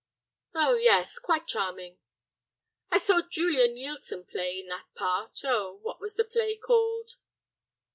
"Oh yes, quite charming." "I saw Julia Neilson play in that play, oh—what was the play called?